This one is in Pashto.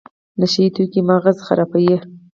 نشه یي توکي مغز خرابوي